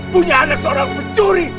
punya anak seorang pencuri